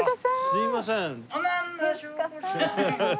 すいません。